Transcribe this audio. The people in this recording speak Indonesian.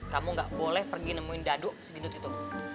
kamu gak boleh pergi nemuin dadu seginut itu